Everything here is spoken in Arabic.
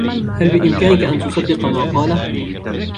هل بإمكانك أن تصدق ما قاله ؟